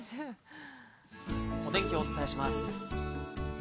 お天気をお伝えします。